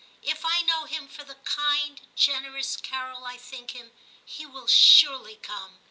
If I know him for the kind, generous Carol I think him, he will surely come.'